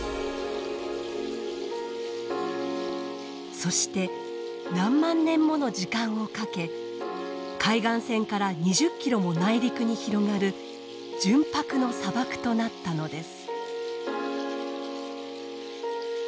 そして何万年もの時間をかけ海岸線から２０ｋｍも内陸に広がる純白の砂漠となったのです。